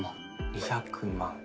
２００万。